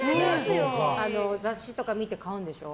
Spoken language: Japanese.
雑誌とか見て買うんでしょ？